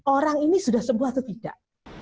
orang ini sudah sembuh atau tidak